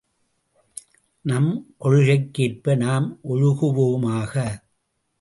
நம் கொள்கைக்கேற்ப நாம் ஒழுகுவோமாக!